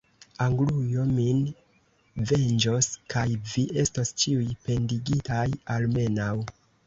Anglujo min venĝos, kaj vi estos ĉiuj pendigitaj, almenaŭ!